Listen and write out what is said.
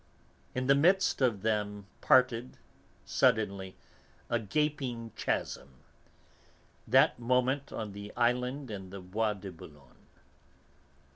In the midst of them parted, suddenly, a gaping chasm, that moment on the Island in the Bois de Boulogne.